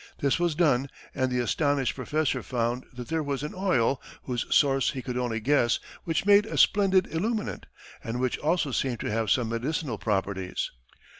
This was done, and the astonished professor found that here was an oil, whose source he could only guess, which made a splendid illuminant and which also seemed to have some medicinal properties.